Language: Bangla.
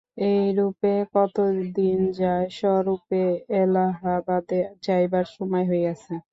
এইরূপে কত দিন যায়, স্বরূপের এলাহাবাদে যাইবার সময় হইয়াছে।